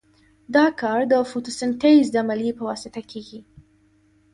دا کار د فوتو سنتیز د عملیې په واسطه کیږي.